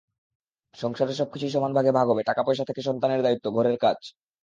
সংসারের সবকিছুই সমান ভাগে ভাগ হবে, টাকা-পয়সা থেকে সন্তানের দায়িত্ব, ঘরের কাজ।